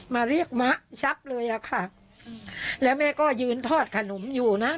มาเรียกมะชับเลยอะค่ะแล้วแม่ก็ยืนทอดขนมอยู่นะ